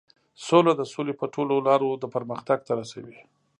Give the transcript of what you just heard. سوله د سولې په ټولو لارو د پرمختګ ته رسوي.